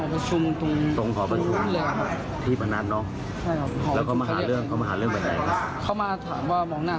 เข้ามาถามว่ามองหน้าทำไมครับ